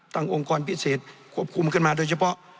องค์กรพิเศษควบคุมขึ้นมาโดยเฉพาะ